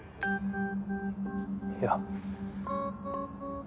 いや。